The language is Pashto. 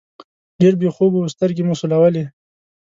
ډېر بې خوبه وو، سترګې مو سولولې.